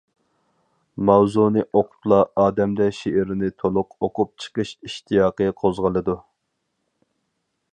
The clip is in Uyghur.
ماۋزۇنى ئوقۇپلا ئادەمدە شېئىرنى تولۇق ئوقۇپ چىقىش ئىشتىياقى قوزغىلىدۇ.